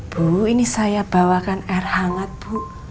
bu ini saya bawakan air hangat bu